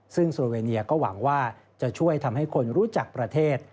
ซึ่งโซโลเวเนียก็หวังว่าจะช่วยทำให้คนรู้จักประเทศ